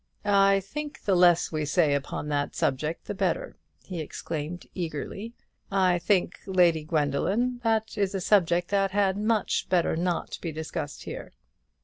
"I think the less we say upon that subject the better," he exclaimed, eagerly; "I think, Lady Gwendoline, that is a subject that had much better not be discussed here."